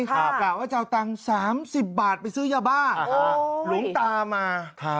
กะว่าจะเอาตังค์๓๐บาทไปซื้อยาบ้าหลวงตามา